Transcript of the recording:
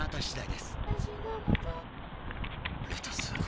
レタス！？